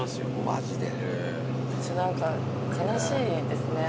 私何か悲しいですね。